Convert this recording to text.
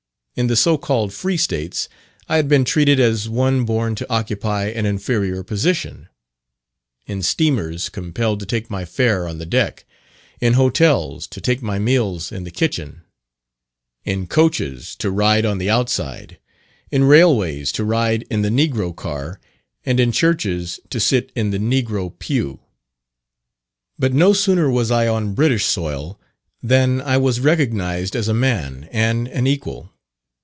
In the so called free States, I had been treated as one born to occupy an inferior position, in steamers, compelled to take my fare on the deck; in hotels, to take my meals in the kitchen; in coaches, to ride on the outside; in railways, to ride in the "negro car;" and in churches, to sit in the "negro pew." But no sooner was I on British soil, than I was recognised as a man, and an equal.